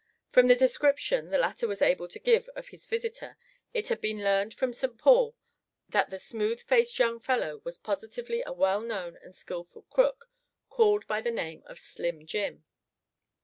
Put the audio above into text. From the description the latter was able to give of his visitor it has been learned from St. Paul that the smooth faced young fellow was positively a well known and skilful crook called by the name of Slim Jim.